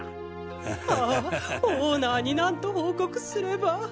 あぁオーナーに何と報告すれば。